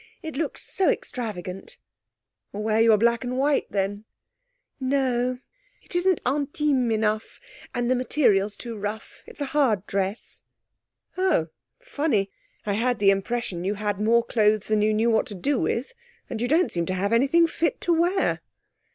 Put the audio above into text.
It looks so extravagant.' 'Wear your black and white, then.' 'No, it isn't intime enough, and the material's too rough it's a hard dress.' 'Oh! Funny, I had the impression you had more clothes than you knew what to do with, and you don't seem to have anything fit to wear.'